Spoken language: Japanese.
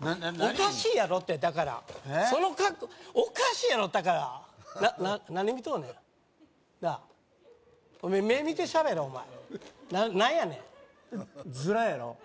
おかしいやろってだからその格好おかしいやろだからな何見とうねんなあお前目見て喋れお前何やねんヅラやろ？